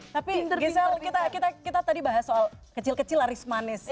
tapi kita tadi bahas soal kecil kecil laris manis ya